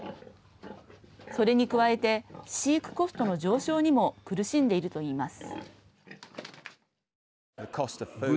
それに加えて飼育コストの上昇にも苦しんでいるといいます。